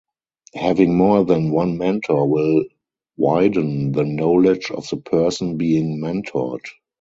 Having more than one mentor will widen the knowledge of the person being mentored.